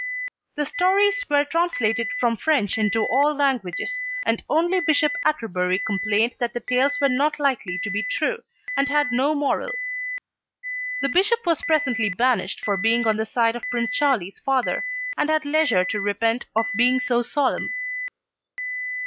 The stories were translated from French into all languages, and only Bishop Atterbury complained that the tales were not likely to be true, and had no moral. The bishop was presently banished for being on the side of Prince Charlie's father, and had leisure to repent of being so solemn.